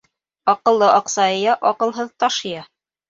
Аҡыллы аҡса йыя, аҡылһыҙ таш йыя.